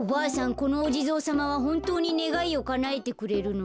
このおじぞうさまはほんとうにねがいをかなえてくれるの？